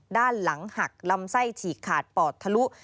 ด้านหลังหักลำไส้ฉีกขาดปอดทะลุ